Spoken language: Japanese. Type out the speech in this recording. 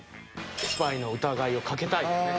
スパイの疑いをかけたいよね。